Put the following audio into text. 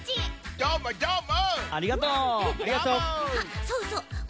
どーもどーも！